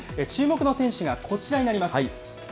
注目の選手がこちらになります。